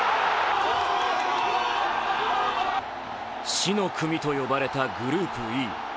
死の組と呼ばれたグループＥ。